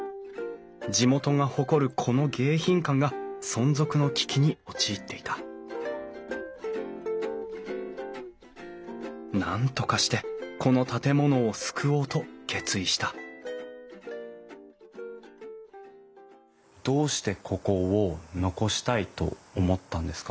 地元が誇るこの迎賓館が存続の危機に陥っていたなんとかしてこの建物を救おうと決意したどうしてここを残したいと思ったんですか？